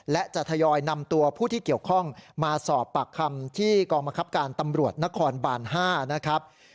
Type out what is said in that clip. และจะทยอยนำตัวผู้ที่เกี่ยวข้องมาสอบปากคำที่กองบังคับการตำรวจนครบาน๕นะครับ